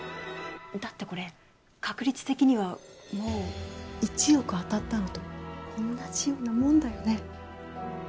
だってこれ確率的にはもう１億当たったのと同じようなもんだよね。